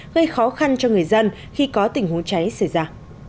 gây khó khăn cho người dân khi có tình huống cháy xảy ra